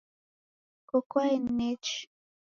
Koko aeni nechi?